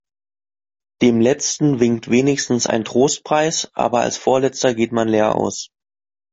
Dem Letzten winkt wenigstens ein Trostpreis, aber als Vorletzter geht man leer aus.